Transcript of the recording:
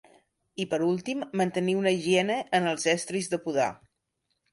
I per últim mantenir una higiene en els estris de podar.